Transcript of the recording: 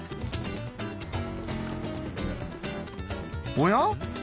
おや？